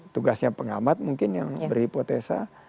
tugasnya pengamat mungkin yang berhipotesa